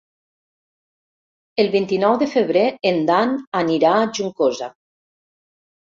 El vint-i-nou de febrer en Dan anirà a Juncosa.